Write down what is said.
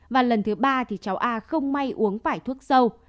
và lần thứ ba thì cháu a không may uống phải thuốc sâu